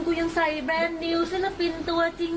กูยังใส่แบรนดนิวศิลปินตัวจริง